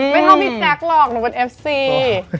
ไม่เท่าพี่แจ๊คหรอกหนูเป็นเอฟซี